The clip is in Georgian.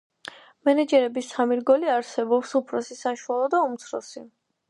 მენეჯერების სამი რგოლი არსებობს: უფროსი, საშუალო და უმცროსი.